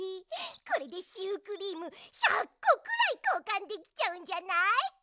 これでシュークリーム１００こくらいこうかんできちゃうんじゃない？